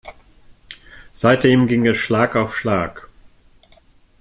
Seitdem ging es Schlag auf Schlag.